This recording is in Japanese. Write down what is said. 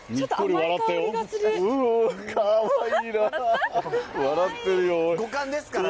笑ってるよ。